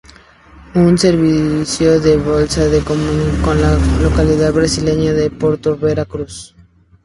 Un servicio de balsas la comunica con la localidad brasileña de Porto Vera Cruz.